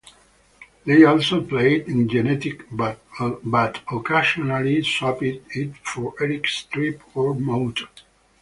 They also played "Genetic," but occasionally swapped it for "Eric's Trip" or "Mote".